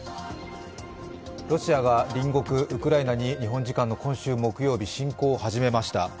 ロシアが隣国ウクライナに日本時間の今週木曜日、侵攻を始めました。